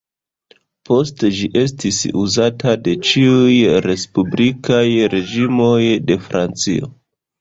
Poste ĝi estis uzata de ĉiuj respublikaj reĝimoj de Francio.